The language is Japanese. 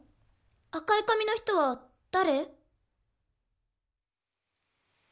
赤い髪の人は誰？